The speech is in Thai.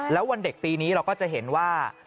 แล้ววันเด็กปีนี้เราก็จะเห็นว่า